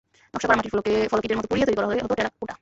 নকশা করা মাটির ফলক ইটের মতো পুড়িয়ে তৈরি করা হতো টেরাকোটা।